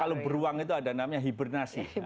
kalau beruang itu ada namanya hibernasi